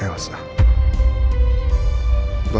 aku bisa mencerahkan elsa